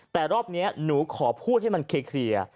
แต่รอบนี้หนูขอพูดให้มันเคลียร์